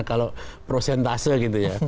kalau prosentase gitu ya